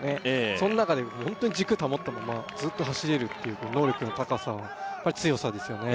その中でホントに軸保ったままずっと走れるという能力の高さはやっぱり強さですよね